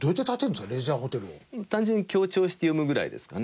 単純に強調して読むぐらいですかね。